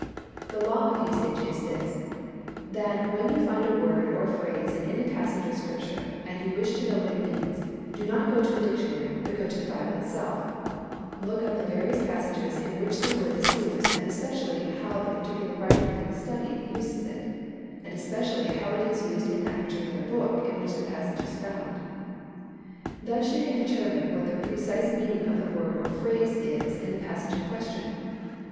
The law of usage is this, that when you find a word or phrase in any passage of Scripture and you wish to know what it means, do not go to a dictionary but go to the Bible itself, look up the various passages in which the word is used and especially how the particular writer being studied uses it, and especially how it is used in that particular book in which the passage is found. Thus you can determine what the precise meaning of the word or phrase is in the passage in question.